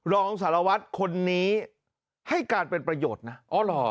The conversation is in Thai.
รองสารวัตรคนนี้ให้การเป็นประโยชน์นะอ๋อเหรอ